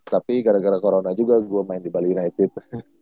tapi gara gara corona juga gue main di bali united